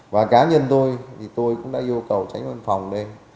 và cá nhân tôi thì tôi cũng đã yêu cầu tránh văn phòng lên